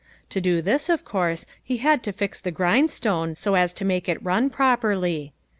To do this, of course, he had to fix the grindstone so as to make it run properly.